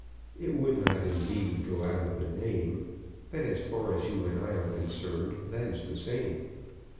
It would not, indeed, go out of the name, but, as far as you and I are concerned, that is the same.